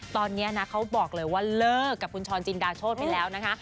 ตอนนี้นะเขาบอกเลยว่าเลิกกับคุณช้อนจินดาโชธไปแล้วนะคะ